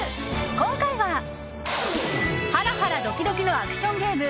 今回はハラハラドキドキのアクションゲーム。